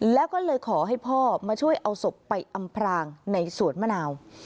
แล้วก็เลยขอให้พ่อมาช่วยเอาศพไปอำพรางในสวนมะนาว